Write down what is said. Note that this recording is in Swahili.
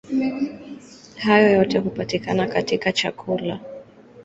Hayo yote hupatikana katika chakula.